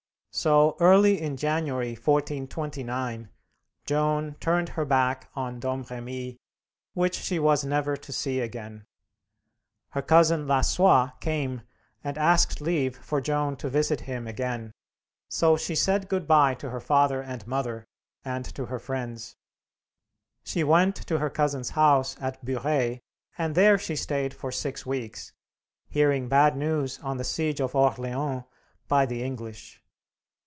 So, early in January, 1429, Joan turned her back on Domremy, which she was never to see again. Her cousin Lassois came and asked leave for Joan to visit him again; so she said good by to her father and mother, and to her friends. She went to her cousin's house at Burey, and there she stayed for six weeks, hearing bad news of the siege of Orleans by the English.